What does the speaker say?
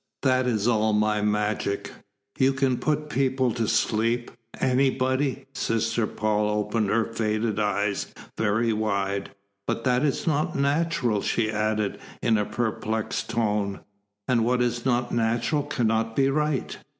That is all my magic." "You can put people to sleep? Anybody?" Sister Paul opened her faded eyes very wide. "But that is not natural," she added in a perplexed tone. "And what is not natural cannot be right."